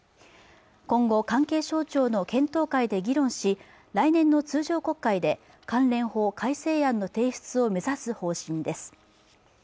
今後関係省庁の検討会で議論し来年の通常国会で関連法改正案の提出を目指す方針です